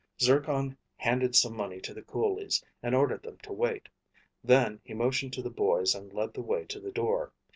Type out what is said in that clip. Zircon handed some money to the coolies and ordered them to wait. Then he motioned to the boys and led the way to the door.